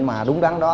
mà đúng đắn đó